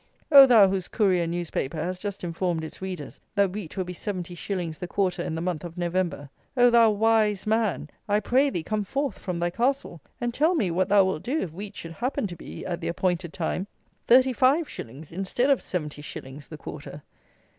Oh, thou whose Courier newspaper has just informed its readers that wheat will be seventy shillings the quarter, in the month of November: oh, thou wise man, I pray thee come forth, from thy Castle, and tell me what thou wilt do if wheat should happen to be, at the appointed time, thirty five shillings, instead of seventy shillings, the quarter.